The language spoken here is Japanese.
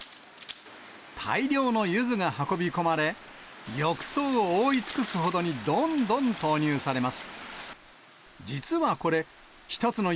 大量のゆずが運び込まれ、浴槽を覆い尽くすほどに、どんどん投入されます。